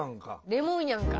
レモンやんか。